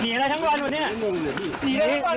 หนีอะไรทั้งร้านวันนี้